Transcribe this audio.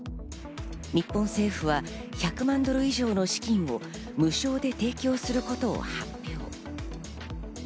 日本政府は１００万ドル以上の資金を無償で提供することを発表。